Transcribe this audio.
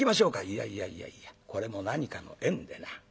「いやいやいやいやこれも何かの縁でな。